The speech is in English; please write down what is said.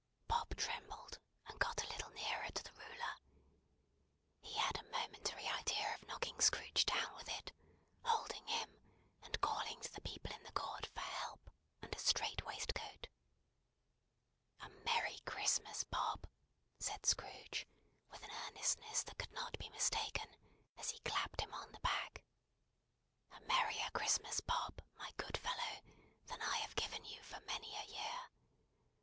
Bob trembled, and got a little nearer to the ruler. He had a momentary idea of knocking Scrooge down with it, holding him, and calling to the people in the court for help and a strait waistcoat. "A merry Christmas, Bob!" said Scrooge, with an earnestness that could not be mistaken, as he clapped him on the back. "A merrier Christmas, Bob, my good fellow, than I have given you, for many a year!